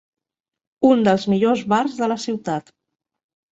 Un dels millors bars de la ciutat.